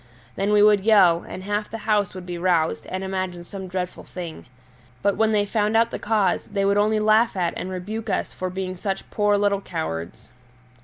Then we would yell, and half the house would be roused and imagine some dreadful thing. But when they found out the cause, they would only laugh at and rebuke us for being such poor little cowards.